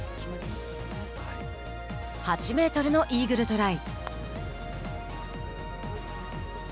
８メートルのイーグルトライ。